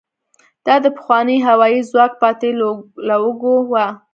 دا د پخواني هوايي ځواک پاتې لوګو وه.